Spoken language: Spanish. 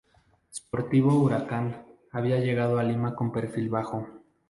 Sportivo Huracán había llegado a Lima con perfil bajo.